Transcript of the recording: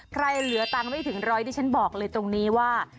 เหลือตังค์ไม่ถึงร้อยดิฉันบอกเลยตรงนี้ว่า